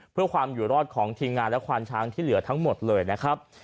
เพื่อความอยู่รอดของทีมงานและควานช้างที่เหลือทั้งหมดเลยนะครับ